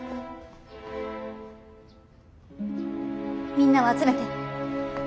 みんなを集めて。